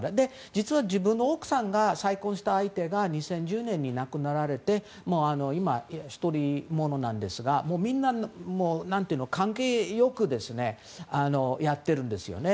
実は自分の奥さんが再婚した相手が２０１０年に亡くなられてもう今は独り者なんですがみんな関係良くやってるんですよね。